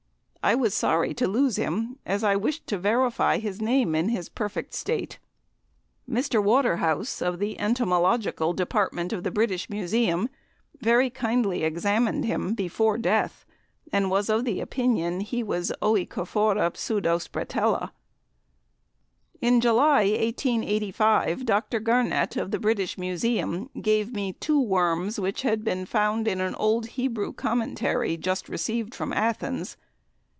I was sorry to lose him, as I wished to verify his name in his perfect state. Mr. Waterhouse, of the Entomological department of the British Museum, very kindly examined him before death, and was of opinion he was OEcophora pseudospretella. In July, 1885, Dr. Garnett, of the British Museum, gave me two worms which had been found in an old Hebrew Commentary just received from Athens.